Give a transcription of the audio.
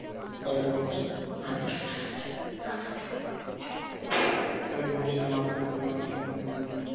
তবে ভবিষ্যতে মাশুলের পরিমাণ নিয়ে পুনর্বিবেচনা করার সুযোগ চুক্তিতে রাখা হয়েছে।